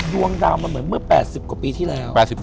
ดวงดาวมันเหมือนเมื่อ๘๐กว่าปีที่แล้ว